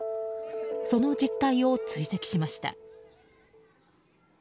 その実態を追跡しました。